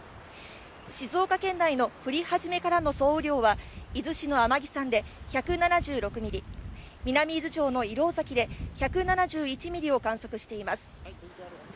静岡県内の降り始めからの総雨量は、伊豆市の天城山で１７６ミリ、南伊豆町の石廊崎で１７１ミリを観測しています。